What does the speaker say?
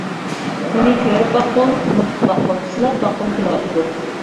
ئۇنى كۆرۈپ باققۇم، نوقۇپ باققۇم، سىلاپ باققۇم كېلىۋاتىدۇ.